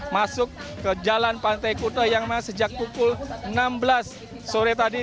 masuk ke jalan pantai kuta yang memang sejak pukul enam belas sore tadi